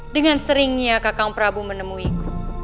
dengan seringnya kakang prabu menemuiku